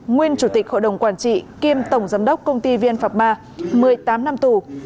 nguyên chủ tịch hội đồng quản trị kiêm tổng giám đốc công ty vn phạc ba một mươi tám năm tù